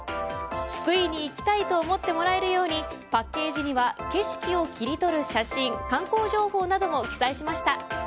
福井に行きたいと思ってもらえるようにパッケージには景色をキリトル写真観光情報なども記載しました。